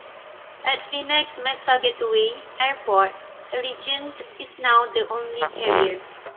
At Phoenix-Mesa Gateway Airport, Allegiant is now the only carrier.